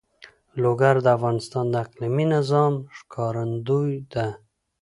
لوگر د افغانستان د اقلیمي نظام ښکارندوی ده.